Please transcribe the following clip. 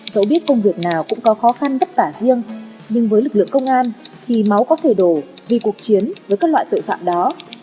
dẫu biết công việc nào cũng có khó khăn vất vả riêng nhưng với lực lượng công an thì máu có thể đổ vì cuộc chiến với các loại tội phạm đó